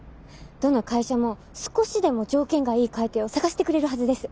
どの会社も少しでも条件がいい買い手を探してくれるはずです。